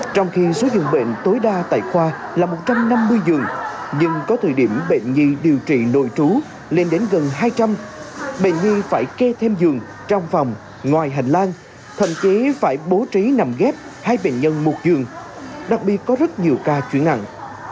trong khi số dường bệnh tối đa tại khoa là một trăm năm mươi giường nhưng có thời điểm bệnh nhi điều trị nội trú lên đến gần hai trăm linh bệnh nhi phải kê thêm giường trong phòng ngoài hành lang thậm chí phải bố trí nằm ghép hai bệnh nhân một giường đặc biệt có rất nhiều ca chuyển nặng